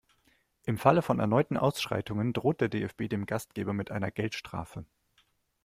Im Falle von erneuten Ausschreitungen droht der DFB dem Gastgeber mit einer Geldstrafe.